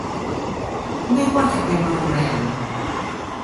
ไม่ว่าจะเป็นโรงแรม